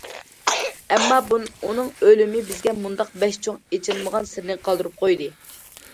ئەمما ئۇنىڭ ئۆلۈمى بىزگە مۇنداق بەش چوڭ ئېچىلمىغان سىرنى قالدۇرۇپ قويدى.